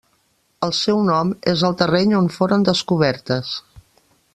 El seu nom és el del terreny on foren descobertes.